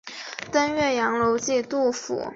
卧云楼琴谱中国古琴谱。